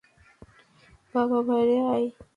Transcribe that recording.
বাবা, বাইরে আয়।